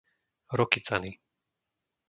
Rokycany